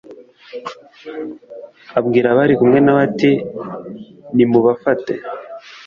Abwira abari kumwe na we ati Nimubafate